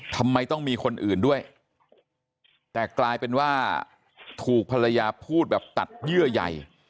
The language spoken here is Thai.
ทำไมต้องมีคนอื่นด้วยแต่กลายเป็นว่าถูกภรรยาพูดแบบตัดเยื่อใหญ่